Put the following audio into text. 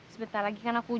sebentar lagi kan aku